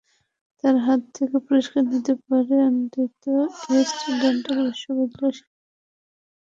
তাঁর হাত থেকে পুরস্কার নিতে পেরে আনন্দিত ইস্ট ডেল্টা বিশ্ববিদ্যালয়ের শিক্ষার্থীরা।